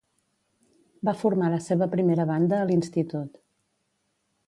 Va formar la seva primera banda a l'institut.